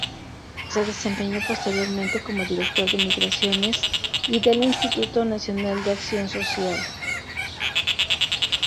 Se desempeñó posteriormente como director de migraciones y del Instituto Nacional de Acción Social.